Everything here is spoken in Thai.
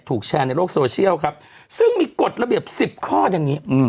ถูกแชร์ในโลกโซเชียลครับซึ่งมีกฎระเบียบ๑๐ข้อดังนี้